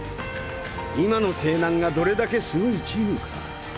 今の勢南がどれだけすごいチームか。